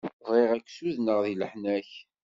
Bɣiɣ ad k-sudenɣ di leḥnak.